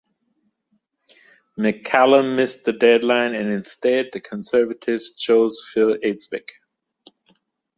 McCallum missed the deadline and instead the Conservatives chose Phil Eidsvik.